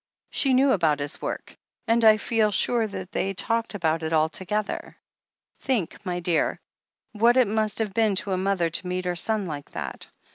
She knew about His work, and I feel sure that they talked about it all together. "Think, my dear, what it must have been to a mother to meet her son like that.